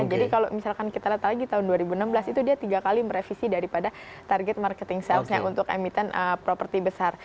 jadi kalau misalkan kita lihat lagi tahun dua ribu enam belas itu dia tiga kali merevisi daripada target marketing salesnya untuk emiten properti besar